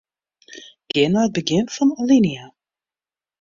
Gean nei it begjin fan alinea.